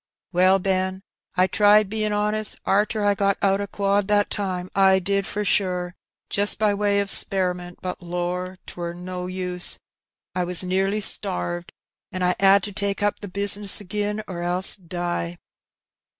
'' Well, Ben, I tried bein' honest arter I got out o' quad that time. I did for sure, jist by way of speriment; but lor! 'twere no use — I was nearly starved, an' I 'ad to take up the bizness agin or else die."